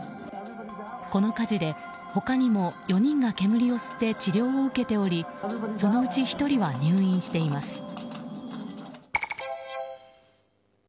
この火事で他にも４人が煙を吸って治療を受けておりそのうち１人は入院しています。